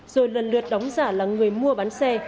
rồi lần lượt đóng giả là người mua bán xe